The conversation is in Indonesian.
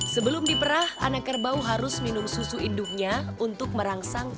sebelum diperah anak kerbau harus minum susu induknya untuk merangsang